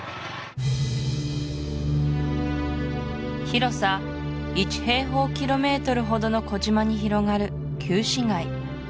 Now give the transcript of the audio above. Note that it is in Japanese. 広さ１平方キロメートルほどの小島に広がる旧市街